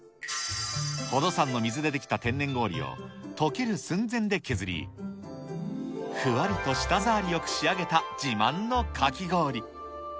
宝登山の水で出来た天然氷をとける寸前で削り、ふわりと舌触りよく仕上げた自慢のかき氷。